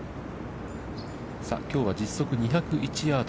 さあ、きょうは実測２０１ヤード。